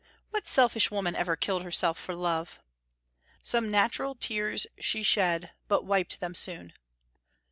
What selfish woman ever killed herself for love? "Some natural tears she shed, but wiped them soon."